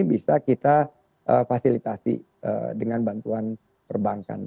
bisa kita fasilitasi dengan bantuan perbankan